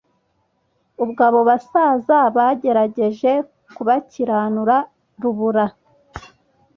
ubwo abo basaza bagerageje kubakiranura rubura